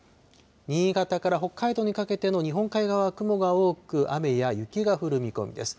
新潟から北海道にかけての日本海側は雲が多く、雨や雪が降る見込みです。